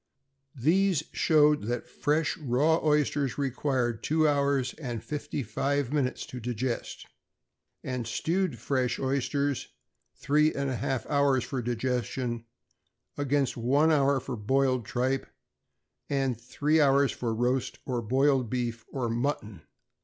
These showed that fresh raw oysters required two hours and fifty five minutes to digest, and stewed fresh oysters three and a half hours for digestion; against one hour for boiled tripe, and three hours for roast or boiled beef or mutton."